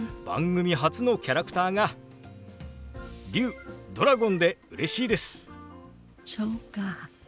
番組初のキャラクターが龍ドラゴンでうれしいです。